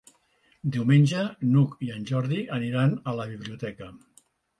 Diumenge n'Hug i en Jordi aniran a la biblioteca.